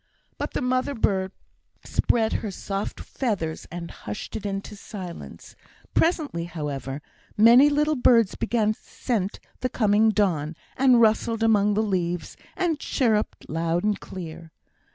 But the mother bird spread her soft feathers, and hushed it into silence. Presently, however, many little birds began to scent the coming dawn, and rustled among the leaves, and chirruped loud and clear.